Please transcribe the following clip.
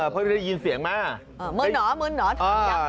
เพราะได้ยินเสียงมามึนเหรอมึนเหรอ